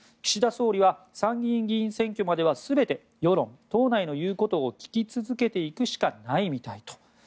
岸田総理は参議院議員選挙までは世論、党内の言うことを聞き続けていくしかないみたいと。